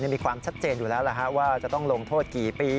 มีความชัดเจนอยู่แล้วว่าจะต้องลงโทษกี่ปี